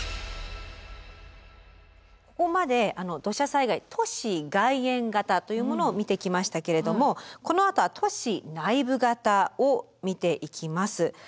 ここまで土砂災害都市外縁型というものを見てきましたけれどもこのあとは都市内部型を見ていきます。